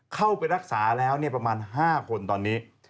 เข้าไปรักษาแล้วประมาณ๕คนตอนนี้